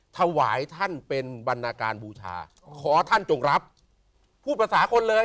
ถวายท่านเป็นบรรณาการบูชาขอท่านจงรับพูดภาษาคนเลย